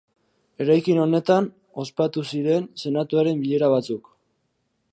Eraikin honetan ospatu ziren Senatuaren bilera batzuk.